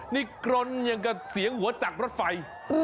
นี่กรนอย่างกับเสียงหัวจากรถไฟ